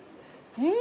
うん。